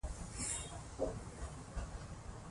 شتمني د خدای لورینه ده.